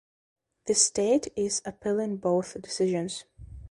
The state is appealing both decisions.